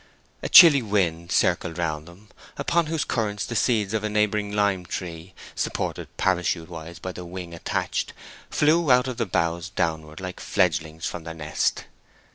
A chilly wind circled round them, upon whose currents the seeds of a neighboring lime tree, supported parachute wise by the wing attached, flew out of the boughs downward like fledglings from their nest.